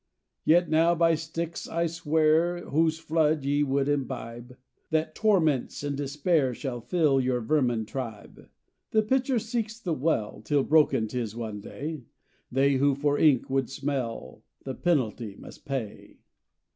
"'Yet now by Styx I swear, Whose flood ye would imbibe, That torments and despair Shall fill your vermin tribe! "'The pitcher seeks the well, Till broken 'tis one day; They who for ink would smell, The penalty must pay.